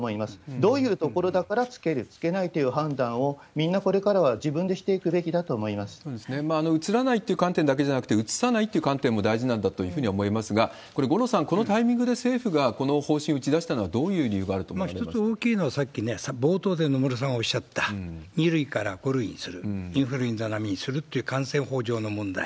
どういう所だから着ける、着けないという判断をみんなこれからは自分でしていくべきだと思うつらないって観点だけじゃなくて、うつさないという観点も大事なんだというふうに思いますが、これ、五郎さん、このタイミングで政府がこの方針を打ち出したのはどういう理由が１つ大きいのは、さっきね、冒頭で野村さんがおっしゃった、２類から５類にする、インフルエンザ並みにするっていう感染法上の問題。